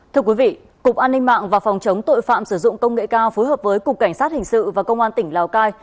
thưa quý vị cục an ninh mạng và phòng chống tội phạm sử dụng công nghệ cao phối hợp với cục cảnh sát hình sự và công an tỉnh lào cai